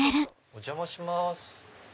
お邪魔します。